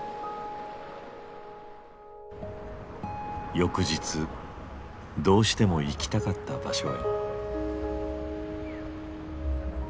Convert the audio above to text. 翌日どうしても行きたかった場所へ。